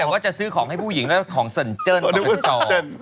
แบบว่าก็จะซื้อของให้ผู้หญิงแล้วของเสริญเจิญปกติสอง